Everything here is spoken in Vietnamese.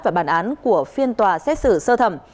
và bản án của phiên tòa xét xử sơ thẩm